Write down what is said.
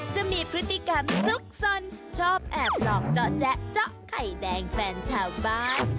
จะมีพฤติกรรมซุกสนชอบแอบหลอกเจาะแจ๊เจาะไข่แดงแฟนชาวบ้าน